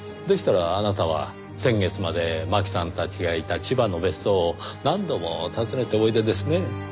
でしたらあなたは先月まで槙さんたちがいた千葉の別荘を何度も訪ねておいでですね？